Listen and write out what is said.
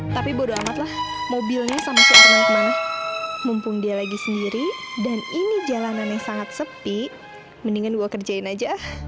tapi mendingan gue kerjain aja